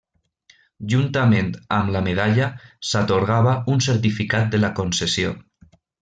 Juntament amb la medalla, s'atorgava un certificat de la concessió.